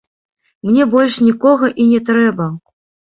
Мне больш нікога і не трэба.